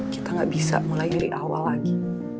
kita nggak bisa mulai dari awal lagi